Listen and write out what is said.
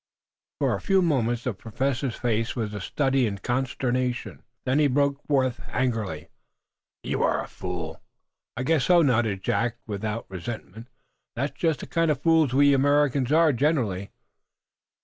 _" For a few moments the Professor's face was a study in consternation. Then he broke forth, angrily: "Ach! You are a fool!" "I guess so," nodded Jack, without resentment. "That's just the kind of fools we Americans are generally."